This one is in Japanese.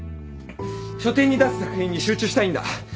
書展に出す作品に集中したいんだ。